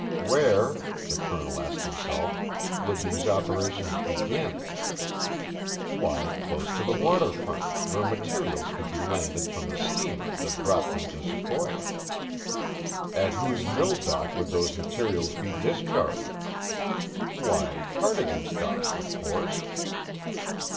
Where (the Colonel asked himself) would these operations begin? Why, close to the waterfront, where materials could be landed from the steamer that brought them to Sequoia. At whose mill dock would those materials be discharged? Why, Cardigan's dock, of course.